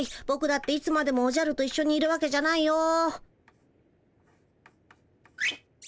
「ぼくだっていつまでもおじゃるといっしょにいるわけじゃないよ」。